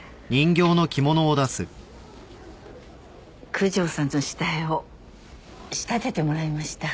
九条さんの下絵を仕立ててもらいました。